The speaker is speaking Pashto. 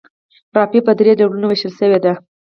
رافعې په درې ډولونو ویشل شوي دي.